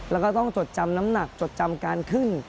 แล้วก็ต้องจดจำน้ำหนักจดจำการขึ้น